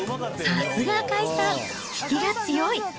さすが赤井さん、引きが強い。